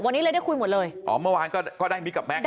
วันนี้เลยได้คุยหมดเลยอ๋อเมื่อวานก็ก็ได้มิกกับแก๊ง